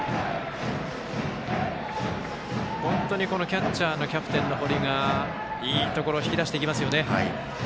本当にキャッチャーのキャプテンの堀がいいところを引き出していきますよね。